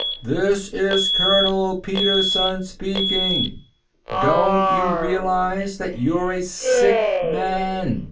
THIS IS COLONEL PETERSEN SPEAKING. DON'T YOU REALIZE THAT YOU'RE A SICK MAN?